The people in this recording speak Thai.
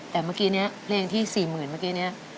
แต่เมื่อกี้นี้เพลงที่๔๐๐๐เมื่อกี้นี้